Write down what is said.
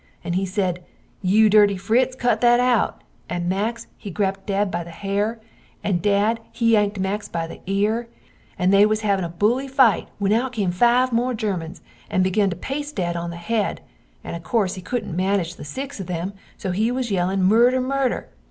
And he sed, you dirty Fritz cut that out, and Max he grabd dad by the hare and dad he yankd Max by the ear, and they was havin a buly fite when out come five more germans and begun to paist dad on the head, and corse he coodnt manige the 6 of them so he was yelling Murder! Murder!